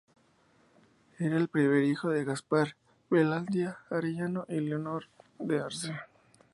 Era el primer hijo de Gaspar Velandia Arellano y Leonor de Arce.